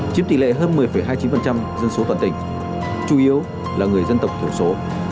chiếm tỷ lệ hơn một mươi hai mươi chín dân số toàn tỉnh chủ yếu là người dân tộc thiểu số